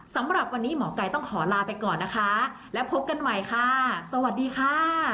สำหรับวันนี้หมอไก่ต้องขอลาไปก่อนนะคะและพบกันใหม่ค่ะสวัสดีค่ะ